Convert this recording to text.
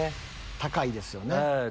高いですよね。